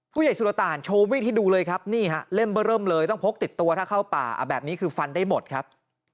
สุรตานโชว์มีดให้ดูเลยครับนี่ฮะเล่มเบอร์เริ่มเลยต้องพกติดตัวถ้าเข้าป่าแบบนี้คือฟันได้หมดครับ